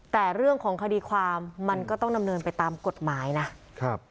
แต่เรื่องของคดีความมันก็ต้องดำเนินไปตามกฎหมายนะครับ